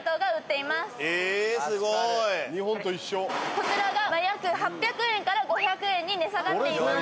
こちらが約８００円から５００円に値下がっています